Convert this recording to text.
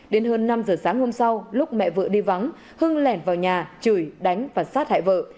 đến hơn năm giờ sáng hôm sau lúc mẹ vợ đi vắng hưng lẻn vào nhà chửi đánh và sát hại vợ